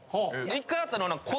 １回あったのが。